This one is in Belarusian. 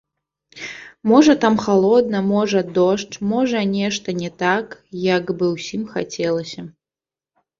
Можа там халодна, можа дождж, можа нешта не так, як бы ўсім хацелася.